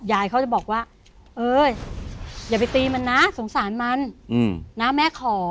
ยายเขาจะบอกว่าเอ้ยอย่าไปตีมันนะสงสารมันนะแม่ขอ